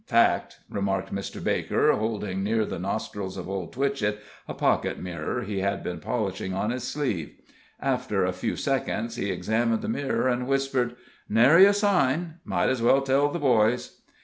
"Fact," remarked Mr. Baker, holding near the nostrils of Old Twitchett a pocket mirror he had been polishing on his sleeve. After a few seconds he examined the mirror, and whispered: "Nary a sign might's well tell the boys."